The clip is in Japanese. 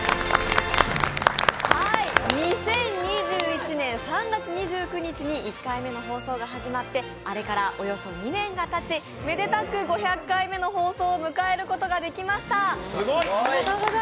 ２０２１年３月２９日に１回目の放送が始まってあれからおよそ２年がたちめでたく５００回目の放送を迎えることができました。